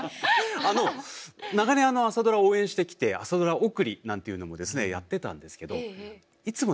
長年朝ドラを応援してきて朝ドラ送りなんていうのもですねやってたんですけどいつもですね